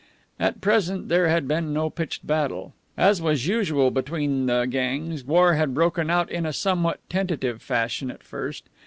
At present there had been no pitched battle. As was usual between the gangs, war had broken out in a somewhat tentative fashion at first.